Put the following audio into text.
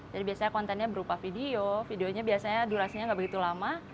jadi biasanya kontennya berupa video videonya biasanya durasinya tidak begitu lama